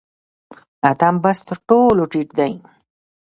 اتم بست تر ټولو ټیټ دی